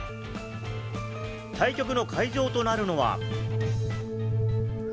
対局の会場となるのは。